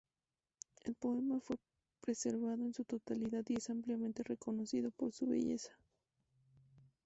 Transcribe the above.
El poema fue preservado en su totalidad y es ampliamente reconocido por su belleza.